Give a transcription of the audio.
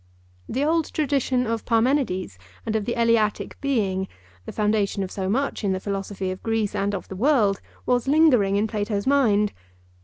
The old tradition of Parmenides and of the Eleatic Being, the foundation of so much in the philosophy of Greece and of the world, was lingering in Plato's mind.